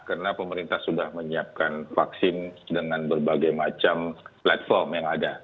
karena pemerintah sudah menyiapkan vaksin dengan berbagai macam platform yang ada